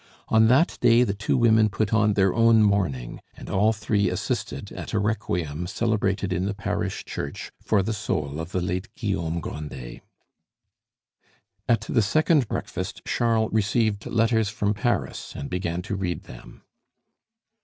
On that day the two women put on their own mourning, and all three assisted at a Requiem celebrated in the parish church for the soul of the late Guillaume Grandet. At the second breakfast Charles received letters from Paris and began to read them.